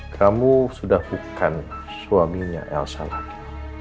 kamu sudah bukan suaminya elsa lagi